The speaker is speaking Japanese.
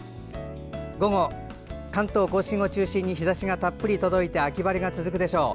午後、関東・甲信を中心に日ざしがたっぷり届いて秋晴れが続くでしょう。